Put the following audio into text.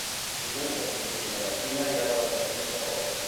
Dilluns na Judit i na Martina iran a les Masies de Roda.